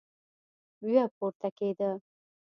بيا پورته کېده.